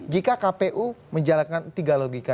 jika kpu menjalankan tiga logika